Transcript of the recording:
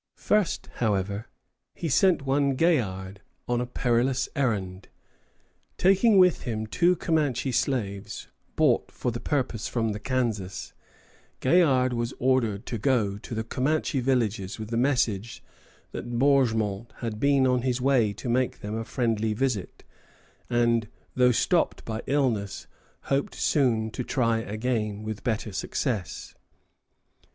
First, however, he sent one Gaillard on a perilous errand. Taking with him two Comanche slaves bought for the purpose from the Kansas, Gaillard was ordered to go to the Comanche villages with the message that Bourgmont had been on his way to make them a friendly visit, and though stopped by illness, hoped soon to try again, with better success.